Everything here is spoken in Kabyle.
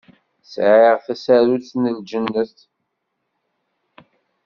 Sɛiɣ tasarut n Ljennet.